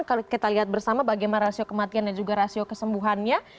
kalau kita lihat bersama bagaimana rasio kematian dan juga rasio kesembuhannya